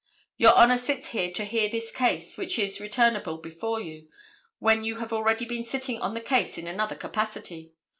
Your Honor sits here to hear this case, which is returnable before you, when you have already been sitting on the case in another capacity.